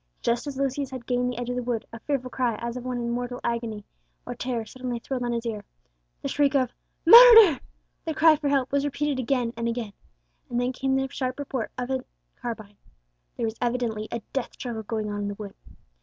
Just as Lucius had gained the edge of the wood, a fearful cry, as of one in mortal agony or terror, suddenly thrilled on his ear. The shriek of "Murder!" the cry for help, was repeated again and again, and then came the sharp report of a carbine. There was evidently a death struggle going on in the wood.